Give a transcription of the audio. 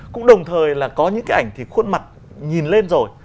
cũng đồng thời là có những cái ảnh thì khuôn mặt nhìn lên rồi